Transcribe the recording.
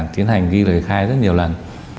tiến hành ghi lời khai rất nhiều lần